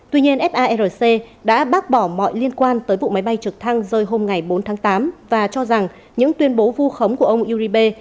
tuy nhiên farc đã bác bỏ mọi liên quan tới vụ máy bay trực thăng rơi hôm ngày bốn tháng tám và cho rằng những tuyên bố vu khống của ông iribe